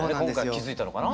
今回気付いたのかな？